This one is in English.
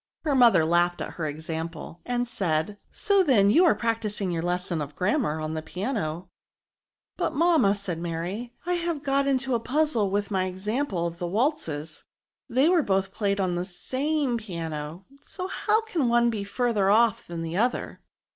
Her mother laughed at her example ; and said, So, then, you are practising your lesson of grammar on the piano. " But, mamma," said Mary, " I have got into a puzzle with my example of the waltzes. They were both played on the same piano, so how can one be further off than the other?"